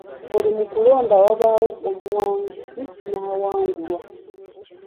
Mu buli kulonda wabaawo omuwanguzi n'awangulwa.